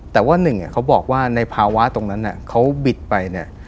แต่ว่าหนึ่งเขาบอกว่าในภาวะตรงนั้นเขาบิดไปเนี่ย